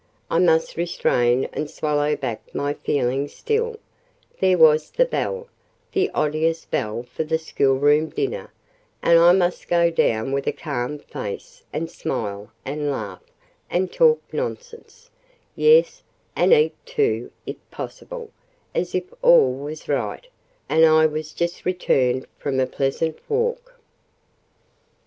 I must restrain and swallow back my feelings still: there was the bell—the odious bell for the schoolroom dinner; and I must go down with a calm face, and smile, and laugh, and talk nonsense—yes, and eat, too, if possible, as if all was right, and I was just returned from a pleasant walk.